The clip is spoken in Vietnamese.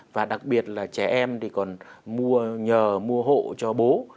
và đặc biệt là trẻ em còn nhờ mua hộ cho bố